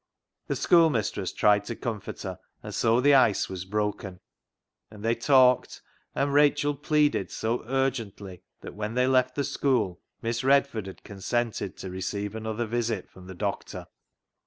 The schoolmistress tried to comfort her, and so the ice was broken, and they talked, and Rachel pleaded so urgently that when they left the school Miss Redford had consented to re ceive another visit from the doctor.